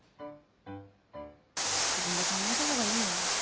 自分で考えた方がいいよ。